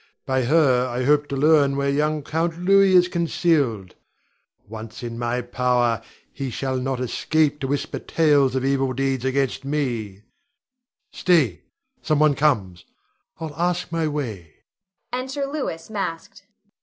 By her I hope to learn where young Count Louis is concealed. Once in my power, he shall not escape to whisper tales of evil deeds against me. Stay! some one comes. I'll ask my way.